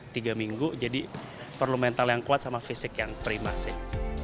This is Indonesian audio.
tiga minggu jadi perlu mental yang kuat sama fisik yang prima sih